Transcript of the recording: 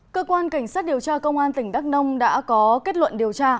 cơ quan cảnh sát điều tra công an tỉnh đắk nông đã có kết luận điều tra